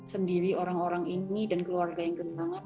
sendiri orang orang ini dan keluarga yang genggam banget